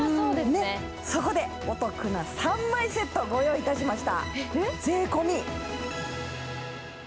そこで、お得な３枚セットをご用意いたしました。